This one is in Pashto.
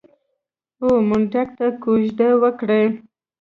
او منډک ته کوژده وکړي.